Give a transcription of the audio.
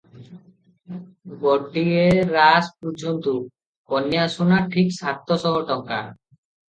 ଗୋଟିଏ ରା - ବୁଝନ୍ତୁ, କନ୍ୟାସୁନା ଠିକ ସାତ ଶହ ଟଙ୍କା ।